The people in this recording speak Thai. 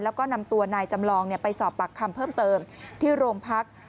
แล้วก็นำตัวนายจำลองไปสอบปากคำเพิ่มเติมที่โรงพัก